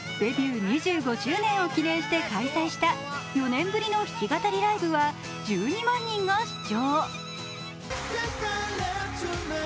ゆずがデビュー２５周年を記念した４年ぶりの弾き語りライブは１２万人が視聴。